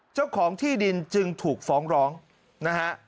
เจ้าของที่ดินจึงถูกฟ้องร้องนะฮะ